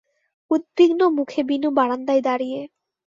উদ্বিগ্ন মুখে বিনু বারান্দায় দাঁড়িয়ে।